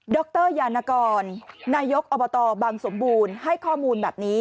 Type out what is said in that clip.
รยานกรนายกอบตบังสมบูรณ์ให้ข้อมูลแบบนี้